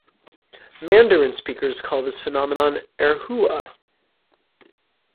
Mandarin speakers call this phenomenon "erhua".